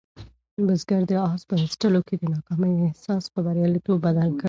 بزګر د آس په ایستلو کې د ناکامۍ احساس په بریالیتوب بدل کړ.